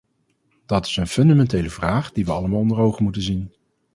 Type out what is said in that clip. Dat is een fundamentele vraag die we allemaal onder ogen moeten zien.